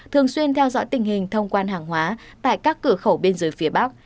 thường xuyên theo dõi tình hình thông quan hàng hóa tại các cửa khẩu biên giới phía bắc